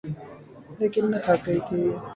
لیکن میں تھک گئی تھی